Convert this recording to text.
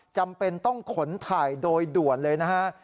จำเป็นต้องขนถ่ายโดยด่วนเลยนะฮะ